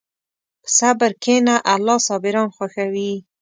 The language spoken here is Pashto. په صبر کښېنه، الله صابران خوښوي.